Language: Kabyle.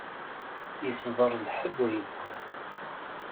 Isḍer lḥebb ur iwwiḍ.